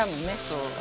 そう。